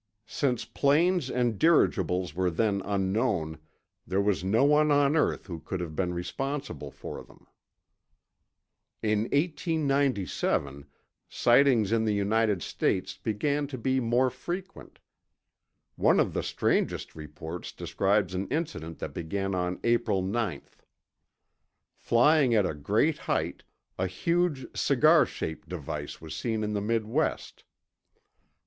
Since planes and dirigibles were then unknown, there was no one on earth who could have been responsible for them. In 1897, sightings in the United States began to be more frequent. One of the strangest reports describes an incident that began on April 9. Flying at a great height, a huge cigar shaped device was seen in the Midwest.